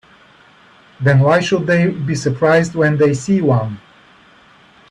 Then why should they be surprised when they see one?